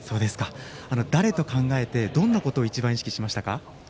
誰と考えて、どんなことを一番意識しましたか？